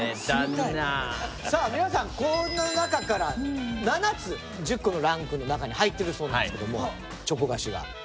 さあ皆さんこの中から７つ１０個のランクの中に入ってるそうなんですけどもチョコ菓子が。